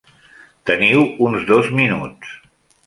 Teniu uns dos minuts.